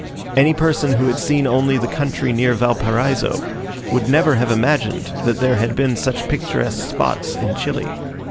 Any person who had seen only the country near Valparaiso, would never have imagined that there had been such picturesque spots in Chile.